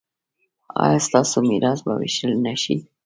ایا ستاسو میراث به ویشل نه شي؟